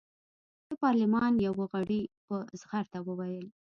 د پارلمان یوه غړي په زغرده وویل.